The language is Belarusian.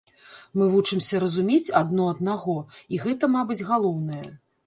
Мы вучымся разумець адно аднаго, і гэта, мабыць, галоўнае.